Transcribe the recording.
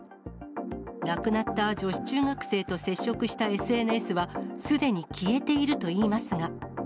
亡くなった女子中学生と接触したＳＮＳはすでに消えているといいますが。